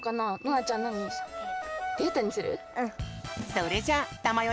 それじゃあたまよ